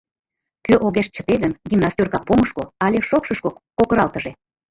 — Кӧ огеш чыте гын, гимнастёрка помышко але шокшышко кокыралтыже.